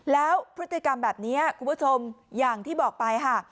แล้วพฤติกรรมแบบนี้คุณผู้ชมอย่างที่บอกไปค่ะ